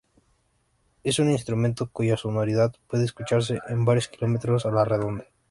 Es un instrumento cuya sonoridad puede escucharse en varios kilómetros a la redonda.